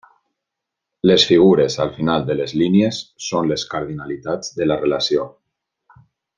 Les figures al final de les línies són les cardinalitats de la relació.